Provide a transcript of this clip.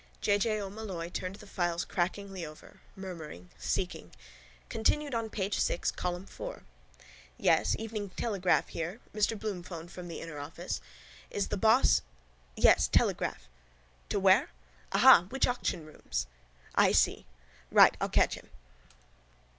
J. J. O'Molloy turned the files crackingly over, murmuring, seeking: —Continued on page six, column four. —Yes, Evening Telegraph here, Mr Bloom phoned from the inner office. Is the boss...? Yes, Telegraph... To where? Aha! Which auction rooms?... Aha! I see... Right. I'll catch him.